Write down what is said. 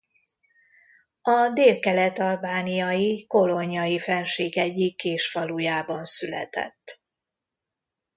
A délkelet-albániai Kolonjai-fennsík egyik kis falujában született.